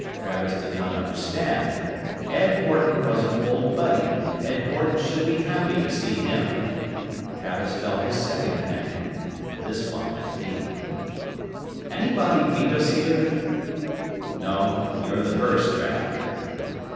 Travis did not understand. Ed Horton was an old buddy and Ed Horton should be happy to see him. Travis felt his second pang. This one went deep. "Anybody beat us here?" "No. You're the first, Trav."